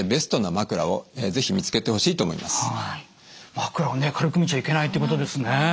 枕をね軽く見ちゃいけないってことですね。